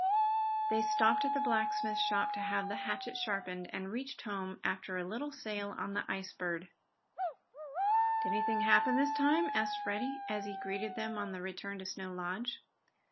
They stopped at the blacksmith shop to have the hatchet sharpened, and reached home after a little sail on the Ice Bird. "Did anything happen this time?" asked Freddie, as he greeted them on the return to Snow Lodge.